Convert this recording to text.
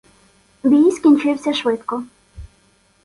Бій скінчився швидко.